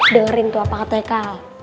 dengerin tuh apa kata eka